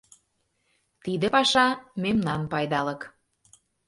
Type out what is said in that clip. Тиде паша — мемнан пайдалык.